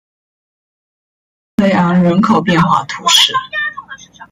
布雷昂人口变化图示